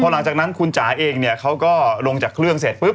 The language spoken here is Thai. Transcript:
หลังจากนั้นคุณจ๋าเองเนี่ยเขาก็ลงจากเครื่องเสร็จปุ๊บ